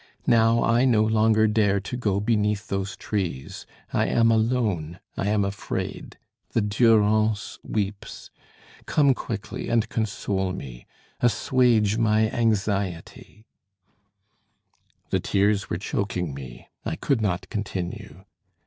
Now I no longer dare to go beneath those trees; I am alone, I am afraid. The Durance weeps. Come quickly and console me, assuage my anxiety " The tears were choking me, I could not continue.